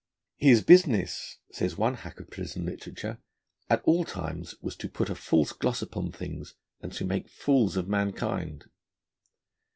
'His business,' says one hack of prison literature, 'at all times was to put a false gloss upon things, and to make fools of mankind.'